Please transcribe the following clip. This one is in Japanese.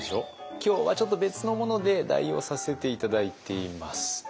今日はちょっと別のもので代用させて頂いています。